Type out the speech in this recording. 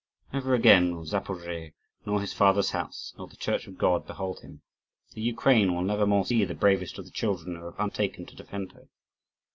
Never again will Zaporozhe, nor his father's house, nor the Church of God, behold him. The Ukraine will never more see the bravest of the children who have undertaken to defend her.